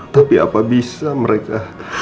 tapi apa bisa mereka